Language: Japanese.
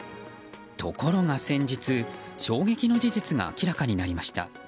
ところが先日、衝撃の事実が明らかになりました。